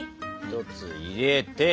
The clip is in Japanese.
１つ入れて。